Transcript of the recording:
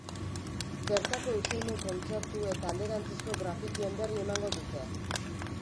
Bertako usaimen kontzertu eta alderantzizko grafittien berri emango dute.